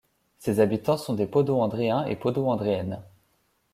Ses habitants sont des Podoandréens et Podoandréennes.